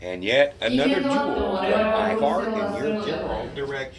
人間となっても、我々は動物性を脱するのではない。